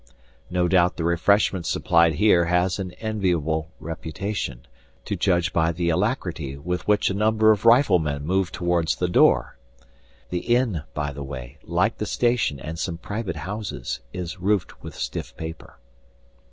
No doubt the refreshment supplied here has an enviable reputation, to judge by the alacrity with which a number of riflemen move to wards the door. The inn, by the by, like the station and some private houses, is roofed with stiff paper.